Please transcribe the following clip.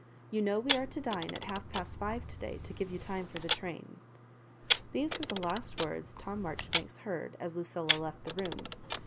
You know we are to dine at half past five to day, to give you time for the train." These were the last words Tom Maijoribanks heard as Lucilla left the room.